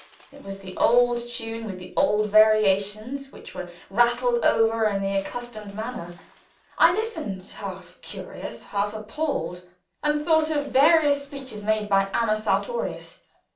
It was the old tune with the old variations, which were rattled over in the accustomed manner. I listened, half curious, half appalled, and thought of various speeches made by Anna Sartorius.